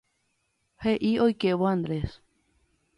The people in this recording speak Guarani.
He'i oikévo Andrés.